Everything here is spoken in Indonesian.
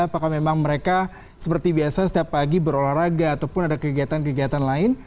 apakah memang mereka seperti biasa setiap pagi berolahraga ataupun ada kegiatan kegiatan lain